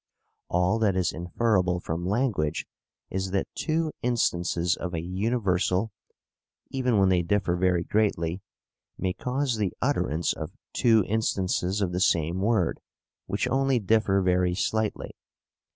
All that is inferable from language is that two instances of a universal, even when they differ very greatly, may cause the utterance of two instances of the same word which only differ very slightly.